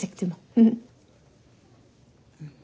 うん。